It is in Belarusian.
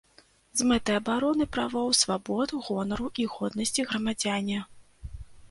З мэтай абароны правоў, свабод, гонару і годнасці грамадзяне.